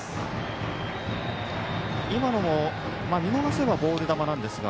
今のも見逃せばボール球なんですが。